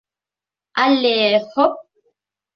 — Алле, һоп!